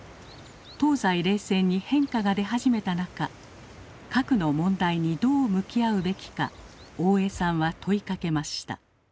東西冷戦に変化が出始めた中核の問題にどう向き合うべきか大江さんは問いかけました。